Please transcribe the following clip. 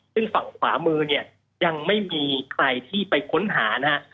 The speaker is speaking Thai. ซึ่งฝั่งขวามือเนี่ยยังไม่มีใครที่ไปค้นหานะฮะ